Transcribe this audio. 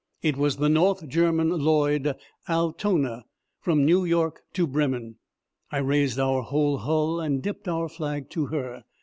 It was the North German Lloyd Altona, from New York to Bremen. I raised our whole hull and dipped our flag to her.